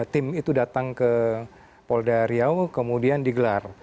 tim itu datang ke polda riau kemudian digelar